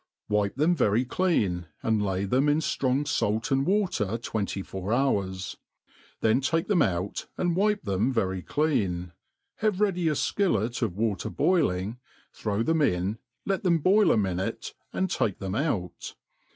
WIPE them very dean, and hy them m flrohg fait zxA wa^ tWenty*fbur hours ; then ts^e them out, and wipe them very clean, Nhave ready a fkillet of water boiling, throw them in, let them boil a minute, and take tbetti out.